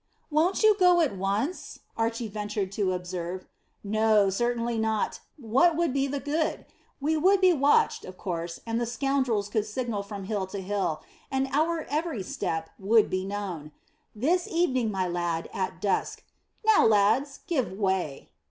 "Won't you go at once?" Archy ventured to observe. "No, certainly not; what would be the good? We would be watched, of course, and the scoundrels would signal from hill to hill, and our every step would be known. This evening, my lad, at dusk. Now, my lads, give way."